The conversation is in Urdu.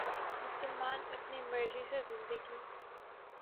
مسلمان اپنی مرضی سے زندگی